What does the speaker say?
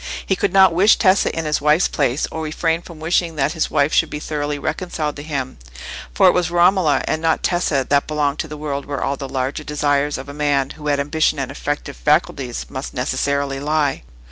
He could not wish Tessa in his wife's place, or refrain from wishing that his wife should be thoroughly reconciled to him; for it was Romola, and not Tessa, that belonged to the world where all the larger desires of a man who had ambition and effective faculties must necessarily lie.